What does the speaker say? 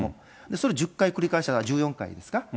それを１０回繰り返したら、１４回ですか。